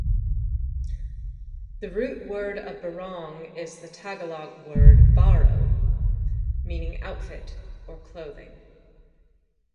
The root word of "barong" is the Tagalog word "baro" meaning "outfit" or "clothing".